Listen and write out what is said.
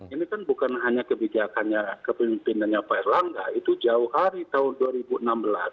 ini kan bukan hanya kebijakannya kepemimpinannya pak erlangga itu jauh hari tahun dua ribu enam belas